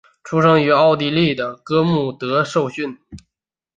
出生于奥地利的哥穆德受训。